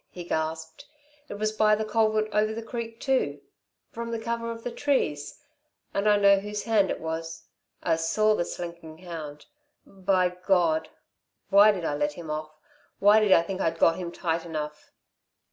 he gasped. "It was by the culvert over the creek too from the cover of the trees And I know whose hand it was I saw the slinking hound. By God why did I let him off? Why did I think I'd got him tight enough."